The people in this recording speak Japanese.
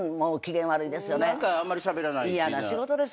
何かあんまりしゃべらない。